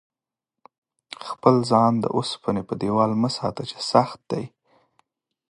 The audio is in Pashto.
خپل ځان د اوسپنې په دېوال مه ساته چې سخت دی.